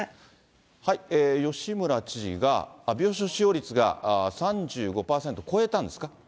吉村知事が、病床使用率が３５％超えたんですか？